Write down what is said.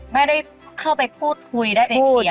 ไม่ได้เข้าไปพูดคุยได้เป็นเสียง